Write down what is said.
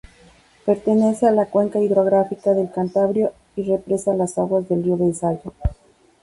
Pertenece a la Cuenca hidrográfica del Cantábrico y represa las aguas del río Besaya.